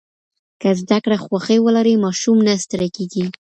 که زده کړه خوښي ولري، ماشوم نه ستړی کېږي.